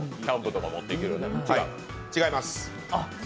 違います。